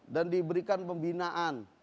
dan diberikan pembinaan